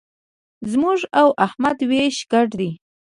زموږ او احمد وېش ګډ دی.